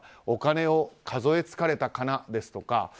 お金を数え疲れたかなですとか。